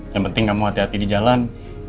yang penting kamu hati hati di jalan